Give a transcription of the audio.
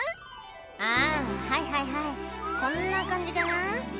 「あぁはいはいはいこんな感じかな？」